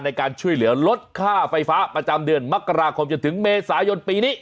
ในการช่วยเหลือลดค่าไฟฟ้าประจำเดือนมกราคมจนถึงเมษายนปีนี้